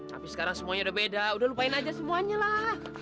tapi sekarang semuanya sudah beda sudah lupakan saja semuanya lah